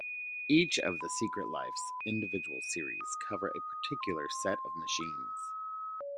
Each of the "Secret Life"'s individual series covers a particular set of machines.